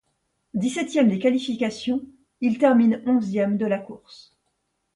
Dix-septième des qualifications, il termine onzième de la course.